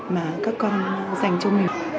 mà các con dành cho mình